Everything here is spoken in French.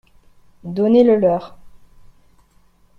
Donnez-le-leur.